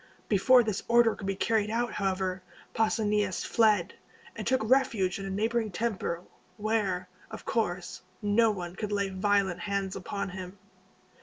Before this order could be carried out, however, Pausanias fled, and took refuge in a neighboring temple, where, of course, no one could lay violent hands upon him.